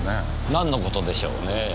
なんのことでしょうねぇ。